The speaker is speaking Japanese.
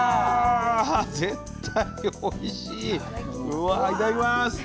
うわいただきます。